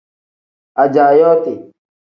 Ajaa yooti.